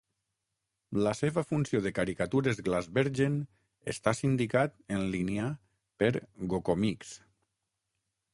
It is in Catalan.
La seva funció de "caricatures Glasbergen" està sindicat en línia per GoComics.